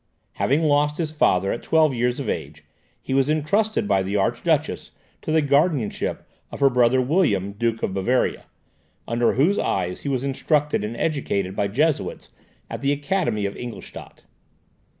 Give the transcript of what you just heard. Having lost his father at twelve years of age, he was intrusted by the archduchess to the guardianship of her brother William, Duke of Bavaria, under whose eyes he was instructed and educated by Jesuits at the Academy of Ingolstadt.